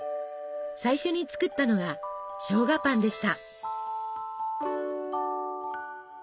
最初に作ったのがしょうがパンでした。